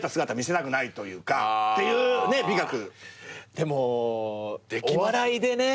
でもお笑いでね。